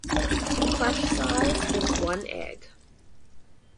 Clutch size is one egg.